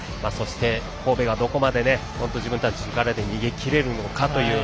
神戸がどこまで自分たちの力で逃げきれるのか。